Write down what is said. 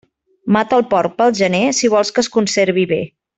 Mata el porc pel gener, si vols que es conservi bé.